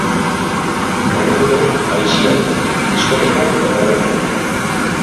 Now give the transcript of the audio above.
Gaueko aisialdiko diskotekak eta tabernak.